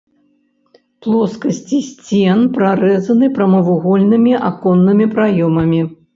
Плоскасці сцен прарэзаны прамавугольнымі аконнымі праёмамі.